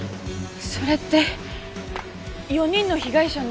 それって４人の被害者の釈放理由？